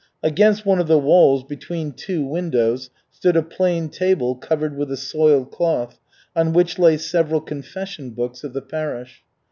Against one of the walls between two windows stood a plain table covered with a soiled cloth, on which lay several confession books of the parish.